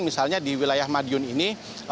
misalnya di wilayah madiun ini